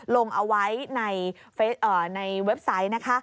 ลงเอาไว้ในเว็บไซต์นะคะ